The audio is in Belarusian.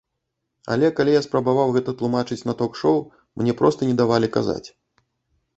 Але калі я спрабаваў гэта тлумачыць на ток-шоў, мне проста не давалі казаць.